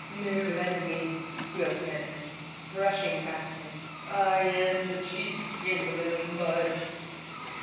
"No, let me!" squealed Panapee, brushing past him. "I am chief chamberlain of Mudge!"